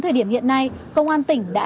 thời điểm hiện nay công an tỉnh đã